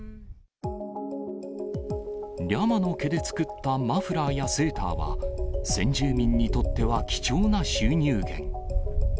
リャマの毛で作ったマフラーやセーターは、先住民にとっては貴重な収入源。